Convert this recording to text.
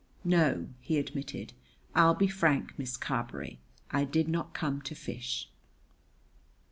"No," he admitted. "I'll be frank, Miss Carberry. I did not come to fish."